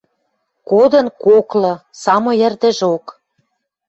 Кодын коклы — самой ӹрдӹжок.